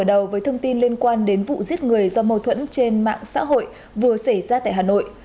mở đầu với thông tin liên quan đến vụ giết người do mâu thuẫn trên mạng xã hội vừa xảy ra tại hà nội